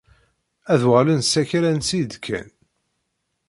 Ad uɣalen s akal ansi i d-kkan.